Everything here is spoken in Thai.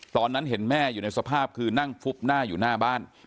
ตอนนั้นเห็นแม่อยู่ในสภาพคือนั่งฟุบหน้าอยู่หน้าบ้าน